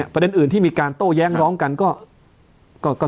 ประเด็นอื่นที่มีการโต้แย้งร้องกันก็